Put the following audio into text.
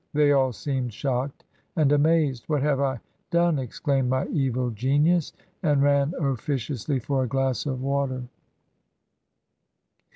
They all seemed shocked and amazed. ... 'What have I done?' exclaimed my evil genius, and ran officiously for a glass of water.